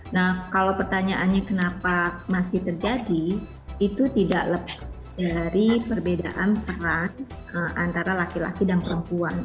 nah kalau pertanyaannya kenapa masih terjadi itu tidak lepas dari perbedaan peran antara laki laki dan perempuan